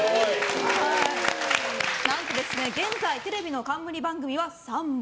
何と現在テレビの冠番組は８本。